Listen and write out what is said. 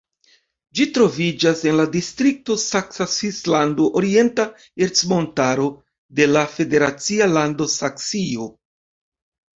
Ĝi troviĝas en la distrikto Saksa Svislando-Orienta Ercmontaro de la federacia lando Saksio.